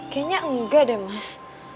kayanya enggak deh mas